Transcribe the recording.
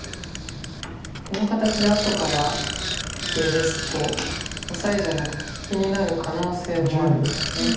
この形で後から出ですとオサエじゃなくて引きになる可能性もあるんです。